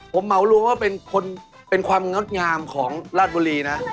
ผมเหมารวมว่าเป็นคนเป็นความนอกงามของราชบุรีนะ